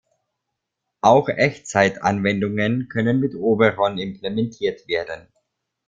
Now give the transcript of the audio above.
Auch Echtzeitanwendungen können mit Oberon implementiert werden.